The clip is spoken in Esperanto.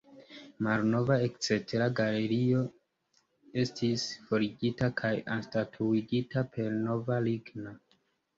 Malnova ekstera galerio estis forigita kaj anstataŭigita per nova ligna.